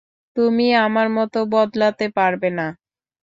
তুমি আমার মত বদলাতে পারবে না।